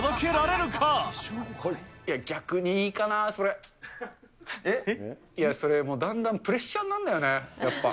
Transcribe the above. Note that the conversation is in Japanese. いや、逆にいいかなー、えっ？いや、それ、だんだんプレッシャーになるんだよね、やっぱ。